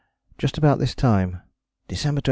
Just about this time: "December 24.